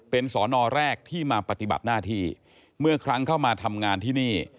เป็นสอนอแรกที่มาปฏิบัติหน้าที่เมื่อครั้งเข้ามาทำงานที่นี่